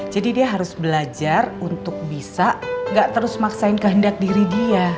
jadi dia harus belajar untuk bisa nggak terus maksain kehendak diri dia